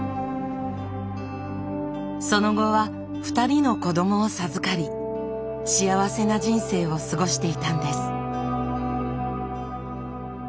その後は２人の子どもを授かり幸せな人生を過ごしていたんです。